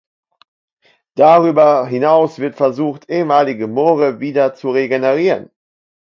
Darüber hinaus wird versucht, ehemalige Moore wieder zu regenerieren.